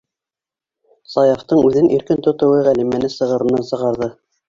Саяфтың үҙен иркен тотоуы Ғәлимәне сығырынан сығарҙы.